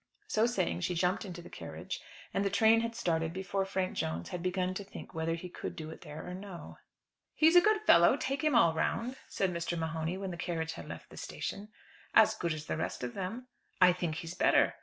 So saying, she jumped into the carriage, and the train had started before Frank Jones had begun to think whether he could do it there or no. "He's a good fellow, take him all round," said Mr. O'Mahony, when the carriages had left the station. "As good as the rest of them." "I think he is better."